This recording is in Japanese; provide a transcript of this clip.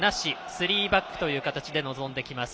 スリーバックという形で臨んできます。